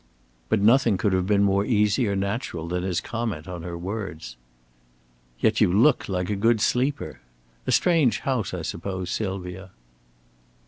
But nothing could have been more easy or natural than his comment on her words. "Yet you look like a good sleeper. A strange house, I suppose, Sylvia."